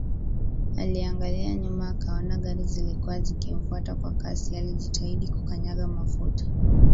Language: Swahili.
Aliangalia nyuma akaona gari zilikuwa zikimfuata kwa kasi alijitahidi kukanyaga Mafuta